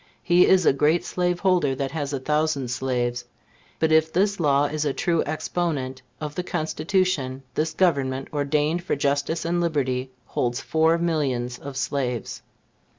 He is a great slaveholder that has a thousand slaves; but if this law is a true exponent of the Constitution, this Government, ordained for justice and liberty, holds four millions of slaves.